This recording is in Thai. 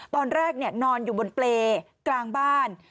ตอนแรกนอนอยู่บนเปรกลางบ้าน